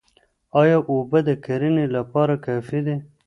ايا اوبه د کرني لپاره کافي دي؟